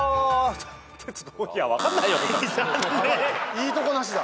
いいとこなしだ。